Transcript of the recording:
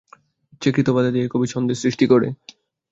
ইচ্ছাকৃত বাধা দিয়েই কবি ছন্দের সৃষ্টি করে।